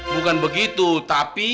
bukan begitu tapi